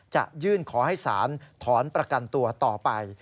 จะยื่นขอให้ศาลถอนประกันตัวต่อไป